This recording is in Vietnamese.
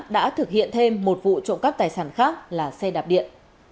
đã thực hiện thêm một vụ trộm cắp tài sản khác là xe đạp điện